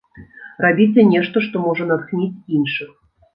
Рабіце нешта, што можа натхніць іншых.